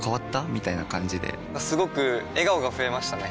みたいな感じですごく笑顔が増えましたね！